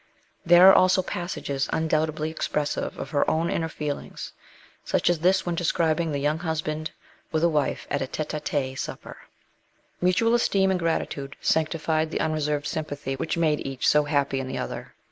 There are also passages undoubtedly expressive of her own inner feelings such as this LITERARY WORK. 191 when describing the young husband and wife at a tete a tete supper : Mutual esteem and gratitude sanctified the unreserved sympathy which made each so happy in the other.